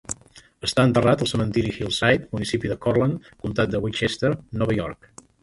Està enterrat al cementiri Hillside, municipi de Cortlandt, comtat de Westchester, Nova York.